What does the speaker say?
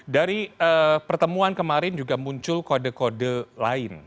dari pertemuan kemarin juga muncul kode kode lain